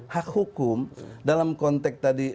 hak hukum dalam konteks tadi